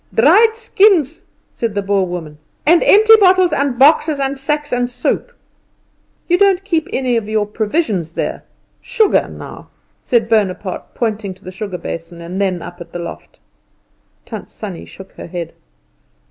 "Dried skins," said the Boer woman, "and empty bottles, and boxes, and sacks, and soap." "You don't keep any of your provisions there sugar, now?" said Bonaparte, pointing to the sugar basin and then up at the loft. Tant Sannie shook her head.